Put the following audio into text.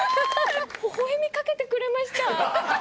ほほ笑みかけてくれました！